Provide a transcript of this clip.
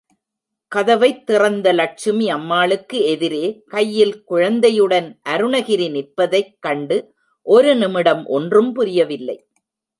கதவைத் திறந்த லட்சுமி அம்மாளுக்கு எதிரே கையில் குழந்தையுடன் அருணகிரி நிற்பதைக் கண்டு ஒரு நிமிடம் ஒன்றும் புரியவில்லை.